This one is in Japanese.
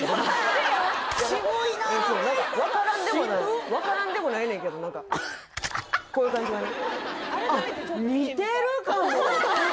渋っ渋いところ分からんでもないねんけど何かこういう感じがね